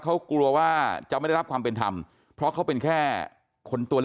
เขากลัวว่าจะไม่ได้รับความเป็นธรรมเพราะเขาเป็นแค่คนตัวเล็ก